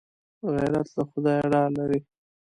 غیرت له خدایه ډار لري